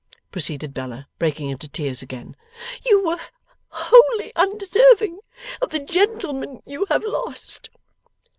proceeded Bella, breaking into tears again, 'you were wholly undeserving of the Gentleman you have lost.